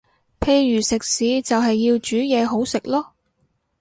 譬如食肆就係要煮嘢好食囉